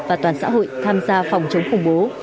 và toàn xã hội tham gia phòng chống khủng bố